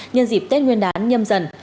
nhân dịp tết nguyên đán nhâm dần